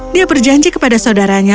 dia berjanji kepada saudaranya